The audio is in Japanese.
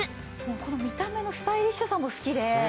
この見た目のスタイリッシュさも好きで。